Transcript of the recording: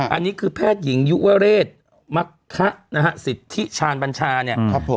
อันนี้คือแพทย์หญิงยุวเรศมะคะศิษย์ที่ชาญบัญชาเนี่ย